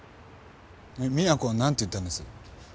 実那子は何て言ったんです？